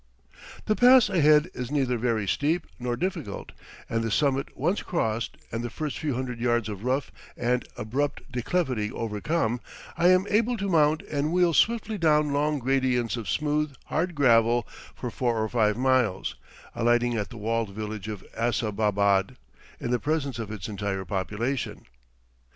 The pass ahead is neither very steep nor difficult, and the summit once crossed, and the first few hundred yards of rough and abrupt declivity overcome, I am able to mount and wheel swiftly down long gradients of smooth, hard gravel for four or five miles, alighting at the walled village of Assababad in the presence of its entire population.